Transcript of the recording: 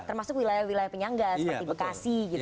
termasuk wilayah wilayah penyangga seperti bekasi gitu